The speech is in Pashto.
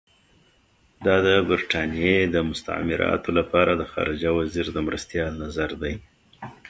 دا د برټانیې د مستعمراتو لپاره د خارجه وزیر د مرستیال نظر دی.